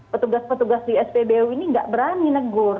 petugas petugas di spbu ini nggak berani negur